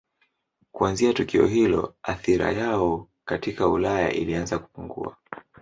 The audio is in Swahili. Kuanzia tukio hilo athira yao katika Ulaya ilianza kupungua.